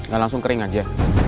gak langsung kering aja